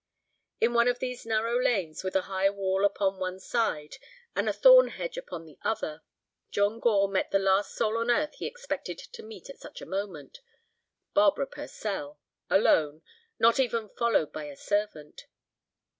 In one of these narrow lanes, with a high wall upon the one side and a thorn hedge upon the other, John Gore met the last soul on earth he expected to meet at such a moment—Barbara Purcell, alone, not even followed by a servant.